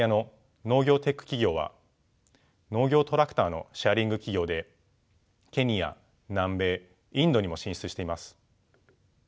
企業は農業トラクターのシェアリング企業でケニア南米インドにも進出しています。